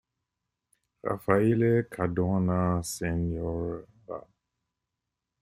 Raffaele Cadorna Sr.